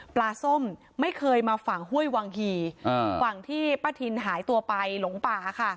ปลาส้มไม่เคยมาฝั่งห้วยวังหี่ฝั่งที่ป้าทินหายตัวไปหลงป่าค่ะ